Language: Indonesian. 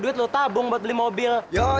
duit loh tabung buat beli mobil